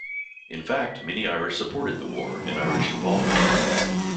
In fact, many Irish supported the war and Irish involvement.